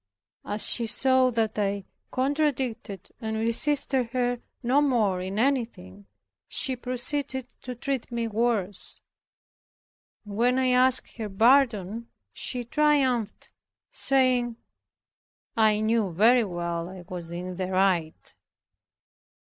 As she saw that I contradicted and resisted her no more in anything, she proceeded to treat me worse. And when I asked her pardon she triumphed, saying, "I knew very well I was in the right."